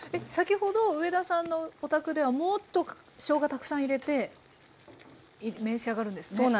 先ほど上田さんのお宅ではもっとしょうがたくさん入れて召し上がるんですね？